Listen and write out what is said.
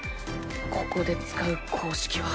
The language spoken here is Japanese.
ここで使う公式は